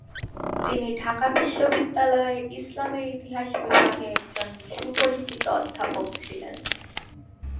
তিনি ঢাকা বিশ্ববিদ্যালয়ের ইসলামের ইতিহাস বিভাগের একজন সুপরিচিত অধ্যাপক ছিলেন।